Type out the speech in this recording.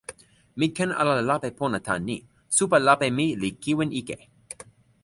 mi ken ala lape pona tan ni: supa lape mi li kiwen ike.